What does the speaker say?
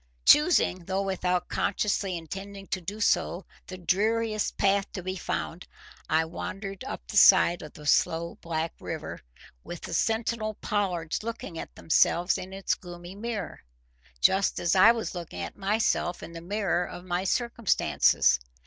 Choosing, though without consciously intending to do so, the dreariest path to be found, I wandered up the side of the slow black river, with the sentinel pollards looking at themselves in its gloomy mirror, just as I was looking at myself in the mirror of my circumstances.